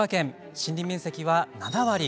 森林面積はなんと７割。